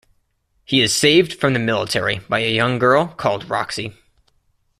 He is saved from the military by a young girl called Roxy.